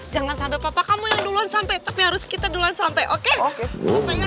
jangan sampai papa kamu yang duluan sampai tapi harus kita duluan sampai oke